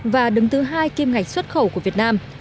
và đứng thứ hai kim ngạch xuất khẩu của việt nam